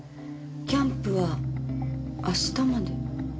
キャンプは明日まで。